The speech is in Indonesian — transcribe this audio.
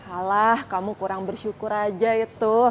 alah kamu kurang bersyukur aja itu